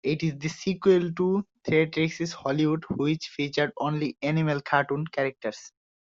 It is the sequel to "Theatrix's Hollywood", which featured only animal cartoon characters.